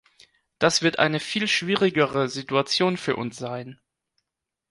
Das wird eine viel schwierigere Situation für uns sein.